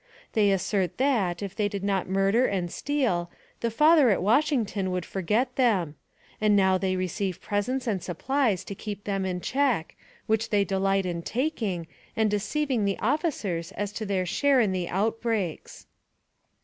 They assert that, if they did not murder and steal, the Father at Washington would forget them; and now they receive presents and supplies to keep them in check, which they delight in taking, and deceiving the officers as to their share in the out breaks."